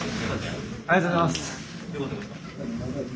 ありがとうございます！